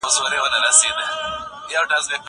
که وخت وي، لیکل کوم!؟